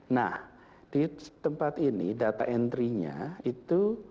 nah di tempat ini data entry nya itu